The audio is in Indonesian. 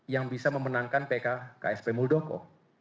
yang bisa memenangkan ksp muldoko